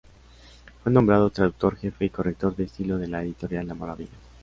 Fue nombrado traductor jefe y corrector de estilo de la Editorial La Maravilla.